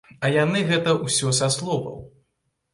А яны гэта ўсё са словаў.